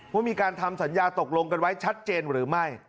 ว่ามีการทำสัญญาตกลงกันไว้ชัดเจนหรือไม่